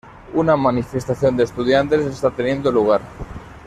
Una manifestación de estudiantes está teniendo lugar.